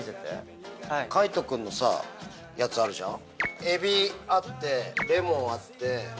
海人君のやつあるじゃん。